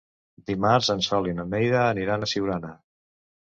Dimarts en Sol i na Neida aniran a Siurana.